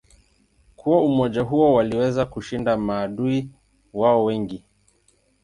Kwa umoja huo waliweza kushinda maadui wao wengi.